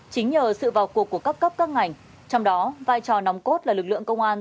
chính nhờ sự vào cuộc của các cấp các ngành trong đó vai trò nòng cốt là lực lượng công an